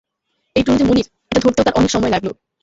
এই টুনু যে মুনির, এটা ধরতেও তাঁর অনেক সময় লাগল।